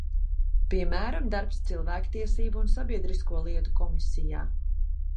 Piemēram, darbs Cilvēktiesību un sabiedrisko lietu komisijā.